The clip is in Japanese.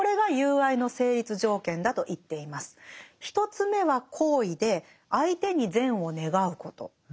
１つ目は好意で相手に善を願うこと。